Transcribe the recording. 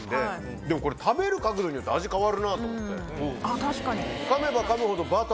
でもこれ食べる角度によって味変わるなと思って。